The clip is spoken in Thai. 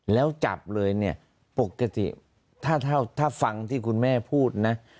แล้วจับเลยเนี่ยปกติถ้าฟังที่คุณแม่พูดนะ